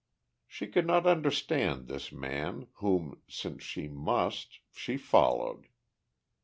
She could not understand this man, whom, since she must, she followed.